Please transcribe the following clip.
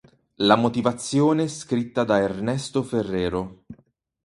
La motivazione scritta da Ernesto Ferrero.